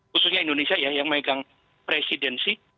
khususnya indonesia ya yang megang presidensi